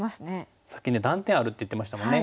さっき断点あるって言ってましたもんね。